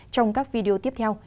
trong các video tiếp theo